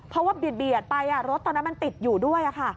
เพราะว่าเบียดไปรถตอนนั้นมันติดอยู่ด้วย